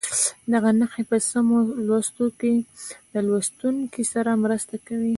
دغه نښې په سمو لوستلو کې له لوستونکي سره مرسته کوي.